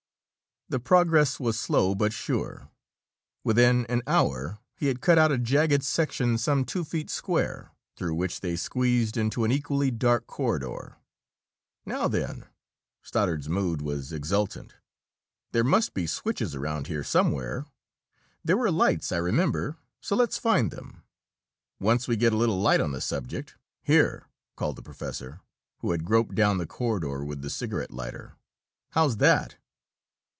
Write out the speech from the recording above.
The progress was slow but sure. Within an hour, he had cut out a jagged section some two feet square, through which they squeezed into an equally dark corridor. "Now then!" Stoddard's mood was exultant. "There must be switches around here somewhere. There were lights, I remember, so let's find them. Once we get a little light on the subject " "Here!" called the professor, who had groped down the corridor with the cigarette lighter. "How's that?"